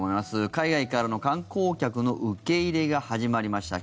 海外からの観光客の受け入れが始まりました。